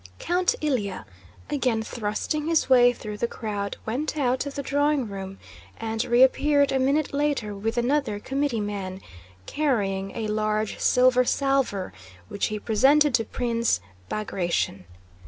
Count Ilyá, again thrusting his way through the crowd, went out of the drawing room and reappeared a minute later with another committeeman, carrying a large silver salver which he presented to Prince Bagratión.